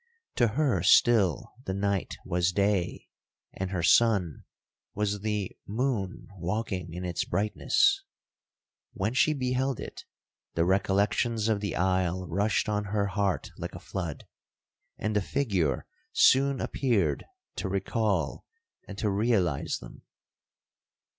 To her still the night was day, and her sun was the 'moon walking in its brightness.' When she beheld it, the recollections of the isle rushed on her heart like a flood; and a figure soon appeared to recal and to realize them.